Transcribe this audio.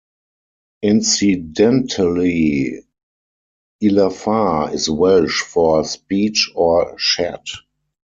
Incidentally, 'llafar' is Welsh for 'speech' or 'chat'.